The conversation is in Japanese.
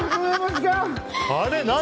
あれ何？